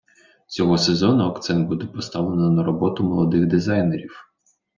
Цього сезону акцент буде поставлено на роботи молодих дизайнерів.